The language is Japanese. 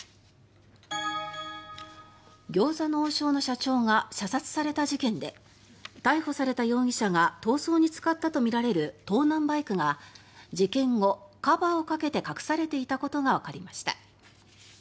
餃子の王将の社長が射殺された事件で逮捕された容疑者が逃走に使ったとみられる盗難バイクが事件後、カバーをかけて隠されていたことがわかりました。